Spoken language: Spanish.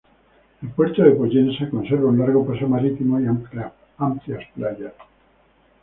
El Puerto de Pollensa conserva un largo paseo marítimo y amplias playas.